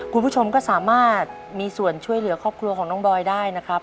คุณผู้ชมก็สามารถมีส่วนช่วยเหลือครอบครัวของน้องบอยได้นะครับ